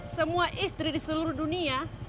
semua istri di seluruh dunia